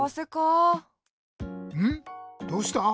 どうした？